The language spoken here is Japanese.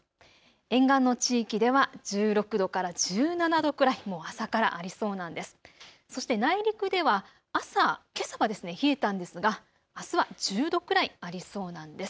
沿岸の地域では１６度から１７度くらいもう朝からありそうなんです。